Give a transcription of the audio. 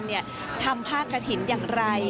พิธรการทำผ้ากะถิ่นอย่างไร